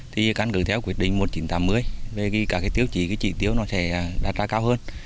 thì cán cử theo quyết định một nghìn chín trăm tám mươi về khi các tiêu chí trị tiêu sẽ đạt ra cao hơn